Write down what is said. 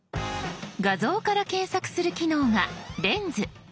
画像から検索する機能が「レンズ」。